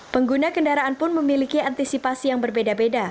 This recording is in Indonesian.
pengguna kendaraan pun memiliki antisipasi yang berbeda beda